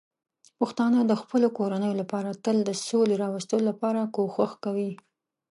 پښتانه د خپلو کورنیو لپاره تل د سولې راوستلو لپاره کوښښ کوي.